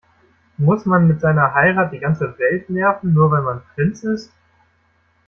Muss man mit seiner Heirat die ganze Welt nerven, nur weil man Prinz ist?